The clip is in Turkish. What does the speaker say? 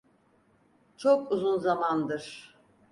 Çok uzun zamandır.